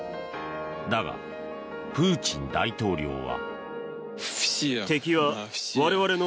だが、プーチン大統領は。